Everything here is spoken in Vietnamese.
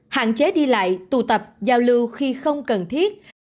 hạn chế đi lại tụ tập giao lưu khi không cần thiết